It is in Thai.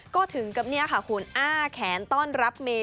ก็ถึงกับเนี่ยค่ะคุณอ้าแขนต้อนรับเมย